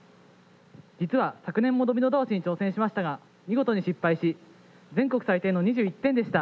実は昨年もドミノ倒しに挑戦しましたが見事に失敗し全国最低の２１点でした。